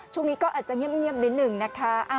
ช่วงนี้ก็อาจจะเงียบนิดหนึ่งนะคะ